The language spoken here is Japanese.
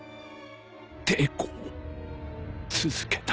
抵抗を続けた。